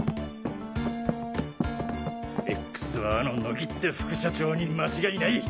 Ｘはあの乃木って副社長に間違いない！